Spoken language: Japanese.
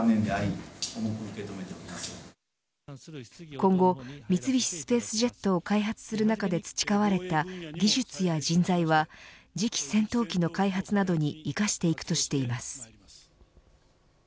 今後、三菱スペースジェットを開発する中で培われた技術や人材は次期戦闘機の開発などに生かしていくとしています。